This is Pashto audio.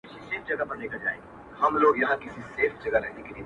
• هرڅه مي هېر سوله خو نه به دي په ياد کي ســـاتم.